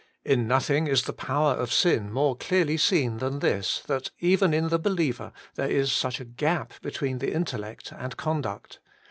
In nothing is the power of sin more clearly seen than this, that even in the believer there is such a gap between intel lect and conduct.